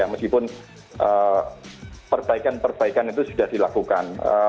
meskipun perbaikan perbaikan itu sudah dilakukan